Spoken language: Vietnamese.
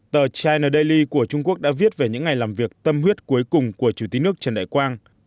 tờ china daily của trung quốc đã viết về những ngày làm việc tâm huyết cuối cùng của chủ tịch nước trần đại quang